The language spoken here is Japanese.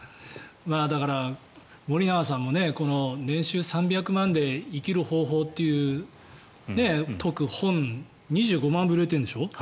だから、森永さんも年収３００万円で生きる方法を説く本２５万部売れてるんでしょ。